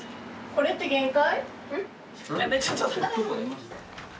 これって限界？